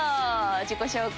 自己紹介。